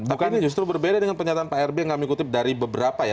bukannya justru berbeda dengan pernyataan pak rb yang kami kutip dari beberapa ya